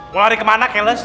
mau lari kemana keles